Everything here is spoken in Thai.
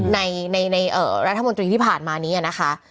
ในรัฐมนตรีที่ผ่านมานี้นะคะ